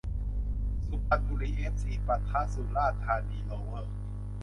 สุพรรณบุรีเอฟซี ปะทะ สุราษฎร์ธานีโรเวอร์